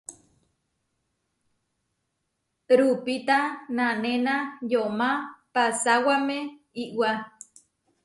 Rupíta nanéna yomá pasawáme iʼwá.